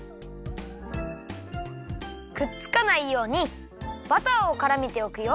くっつかないようにバターをからめておくよ。